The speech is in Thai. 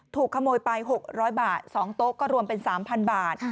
ถูกขโมยไป๖๐๐บาท๒โต๊ะก็รวมเป็น๓๐๐บาท